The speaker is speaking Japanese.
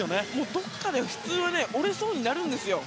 どっかで普通は折れそうになるんですよ。